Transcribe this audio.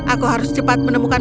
aku harus cepat menemukan